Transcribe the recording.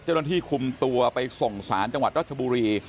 เจ้าหน้าที่คุมตัวไปส่งสารจังหวัดรัชบุรี